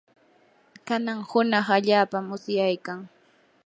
kanan hunaq allaapam usyaykan.